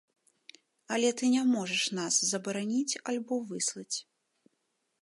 Але ты не можаш нас забараніць альбо выслаць!